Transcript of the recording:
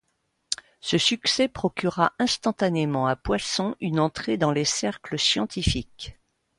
Ce succès procura instantanément à Poisson une entrée dans les cercles scientifiques.